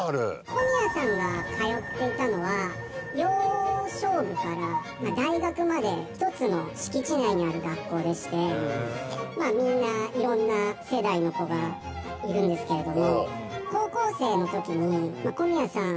「小宮さんが通っていたのは幼少部から大学まで１つの敷地内にある学校でしてみんな色んな世代の子がいるんですけれども」